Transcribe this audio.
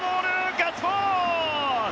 ガッツポーズ！